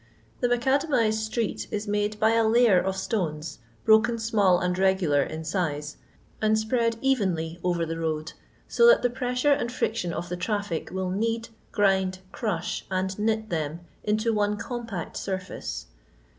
The maeadamiaed atreet is made by a layer of stones, broken small and xegnlar in aise, and spread evenly over the road, so that ^ pressure and friction of the traffic will knead, grind, crush, and knit them into one «ompaet surface.